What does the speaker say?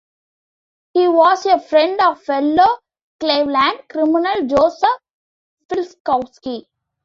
He was a friend of fellow Cleveland criminal Joseph Filkowski.